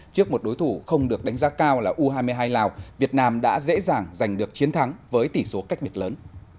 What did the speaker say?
trước một đối thủ không được đánh giá cao là u hai mươi hai lào việt nam đã dễ dàng giành được chiến thắng với tỷ số cách biệt lớn